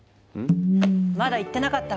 まだ言ってなかったわよね？